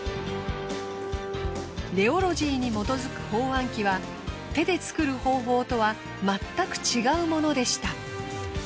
レオロジーに基づく包あん機は手で作る方法とはまったく違うものでした。